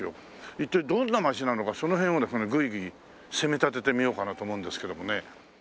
一体どんな街なのかその辺をですねグイグイ攻め立ててみようかなと思うんですけどもね。